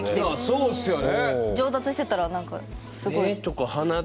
そうですよね